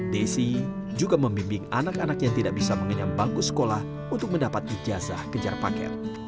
desi juga membimbing anak anak yang tidak bisa mengenyam bangku sekolah untuk mendapat ijazah kejar paket